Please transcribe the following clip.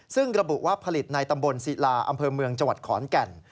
ซึ่งระบุว่าผลิตในตำบลศิลาอำเภอเมืองจังหวัดขอนแก่น